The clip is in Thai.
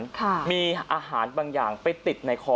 ค่ะมีอาหารบางอย่างไปติดในคอ